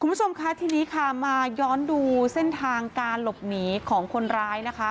คุณผู้ชมคะทีนี้ค่ะมาย้อนดูเส้นทางการหลบหนีของคนร้ายนะคะ